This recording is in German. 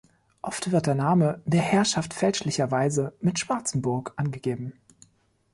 Oft wird der Name der Herrschaft fälschlicherweise mit Schwarzenburg angegeben.